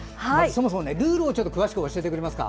そもそもルールを詳しく教えていただけますか？